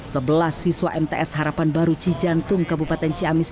sebelas siswa mts harapan baru cijantung kabupaten ciamis